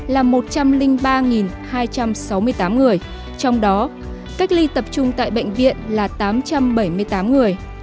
là một trăm linh ba hai trăm sáu mươi tám người trong đó cách ly tập trung tại bệnh viện là tám trăm bảy mươi tám người